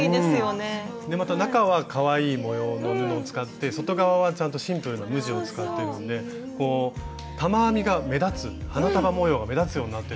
また中はかわいい模様の布を使って外側はちゃんとシンプルな無地を使ってるんで玉編みが目立つ花束模様が目立つようになってるんですね。